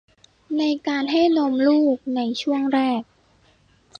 ในการให้นมลูกช่วงแรก